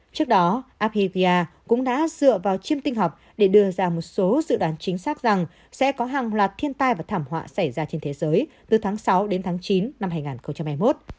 trước đó apevia cũng đã dựa vào chiêm tinh học để đưa ra một số dự đoán chính xác rằng sẽ có hàng loạt thiên tai và thảm họa xảy ra trên thế giới từ tháng sáu đến tháng chín năm hai nghìn hai mươi một